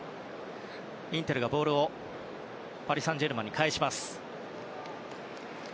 インテルがボールをパリ・サンジェルマンに返しました。